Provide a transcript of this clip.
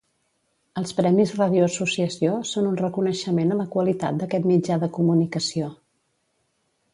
Els Premis Ràdio Associació són un reconeixement a la qualitat d'aquest mitjà de comunicació.